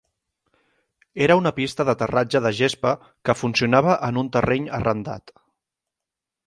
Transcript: Era una pista d'aterratge de gespa que funcionava en un terreny arrendat.